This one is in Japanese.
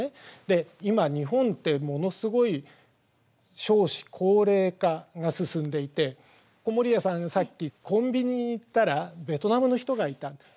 で今日本ってものすごい少子高齢化が進んでいて籠谷さんさっきコンビニに行ったらベトナムの人がいたって。